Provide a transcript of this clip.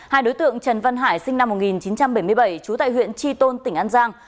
hai đối tượng trần văn hải sinh năm một nghìn chín trăm bảy mươi bảy trú tại huyện tri tôn tỉnh an giang